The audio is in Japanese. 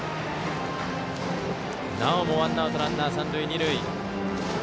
なおもワンアウトランナー三塁二塁。